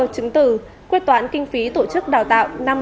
chứng từ quyết toán kinh phí tổ chức đào tạo